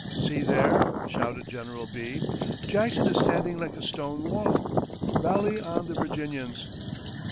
"See there!" shouted General Bee, "Jackson is standing like a stone wall. Rally on the Virginians!"